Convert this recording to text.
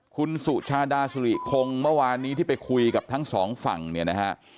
คุณสุชาดาสุริคงเมื่อวานนี้ที่ไปคุยกับทั้งสองฝั่งเนี่ยนะฮะ